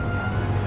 nah unik smartfile